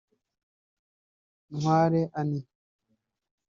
Ntwale Ani